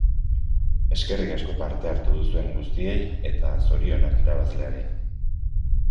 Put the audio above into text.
Eskerrik asko parte hartu duzuen guztiei eta zorionak irabazleari!